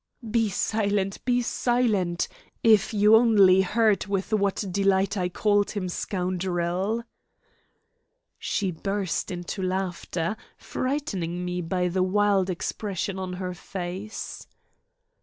"Be silent! Be silent! If you only heard with what delight I called him scoundrel!" She burst into laughter, frightening me by the wild expression on her face.